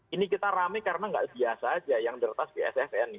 ini kita rame karena nggak biasa aja yang diretas bssn